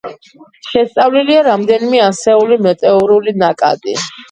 შესწავლილია რამდენიმე ასეული მეტეორული ნაკადი.